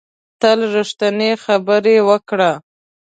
تل ریښتینې خبرې وکړه